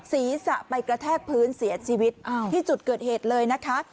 ศีรษะไปกระแทกพื้นเสียชีวิตที่จุดเกิดเหตุเลยนะคะ